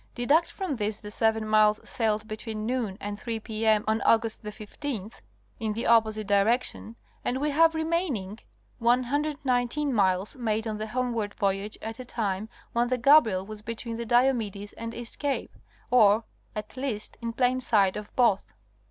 Deduct from this the seven miles sailed between noon and 3 P. M. Aug. 15th in the opposite direction and we have remaining 119 miles made on the homeward voyage at a time when the Gabriel was between the Dio medes and East Cape, or at least in plain sight of both.